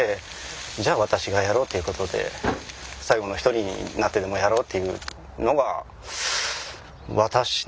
じゃあ私がやろうということで最後の一人になってでもやろうっていうのが私の流儀かな。